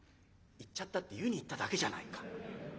「行っちゃったって湯に行っただけじゃないか。